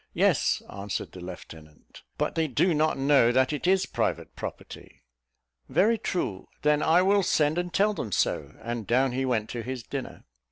"Yes," answered the lieutenant; "but they do not know that it is private property." "Very true: then I will send and tell them so;" and down he went to his dinner.